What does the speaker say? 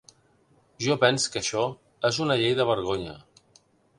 -Jo pens que això és una llei de vergonya.